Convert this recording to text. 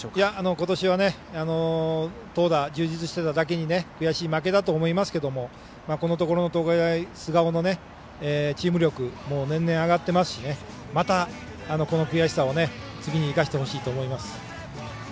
ことしは投打充実してただけに悔しい負けだと思いますがこのところの東海大菅生のチームの力も年々、上がってますしまた、この悔しさを次に生かしてほしいと思います。